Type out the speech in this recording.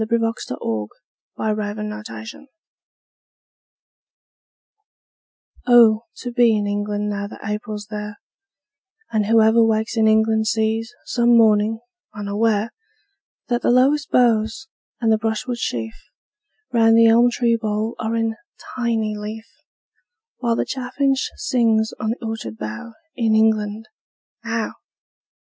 Robert Browning Home Thoughts, From Abroad OH, to be in England Now that April's there, And whoever wakes in England Sees, some morning, unaware, That the lowest boughs and the brush wood sheaf Round the elm tree bole are in tiny leaf, While the chaffinch sings on the orchard bough In England now!